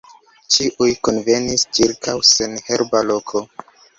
Ĉiuj kunvenis ĉirkaŭ senherba loko.